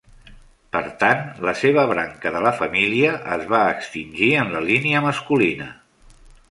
Per tant, la seva branca de la família es va extingir en la línia masculina.